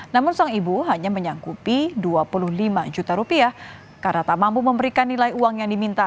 namun sang ibu hanya menyangkupi dua puluh lima juta rupiah karena tak mampu memberikan nilai uang yang diminta